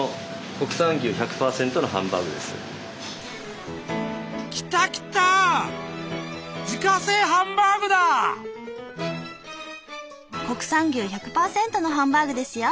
国産牛１００％のハンバーグですよ。